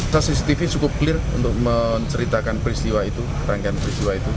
saya cctv cukup clear untuk menceritakan peristiwa itu rangkaian peristiwa itu